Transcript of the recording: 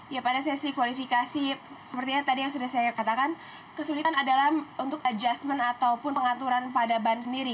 ya pada sesi kualifikasi sepertinya tadi yang sudah saya katakan kesulitan adalah untuk adjustment ataupun pengaturan pada ban sendiri